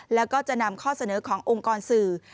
แล้วก็จะนำข้อเสนอขององค์กรสื่อ